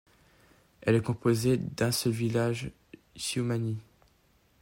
Elle est composée d'un seul village, Ciumani.